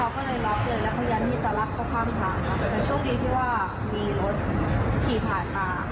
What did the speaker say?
ก็เลยบอกให้เขาช่วยเขาก็หมดอุปกรณ์ด้วยก็เลยรีบวิ่ง